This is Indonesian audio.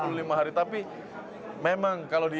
memang kalau dinilai tidak ada yang mengatakan itu adalah